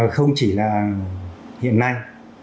không chỉ là hiện nay